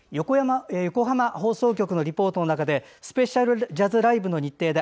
横浜放送局のリポートの中でスペシャルジャズライブの日程で